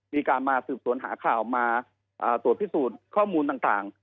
มีการมาสืบสวนหาข่าวมาตรวจพิสูจน์ข้อมูลต่าง